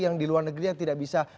yang di luar negeri yang tidak bisa